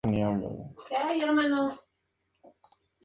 El juego recibió mixtos reviews, que incluía crítica de su soundtrack.